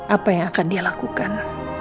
apa yang akan dia lakukan